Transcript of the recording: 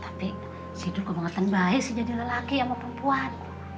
tapi hidup kebangetan baik sih jadi lelaki sama perempuan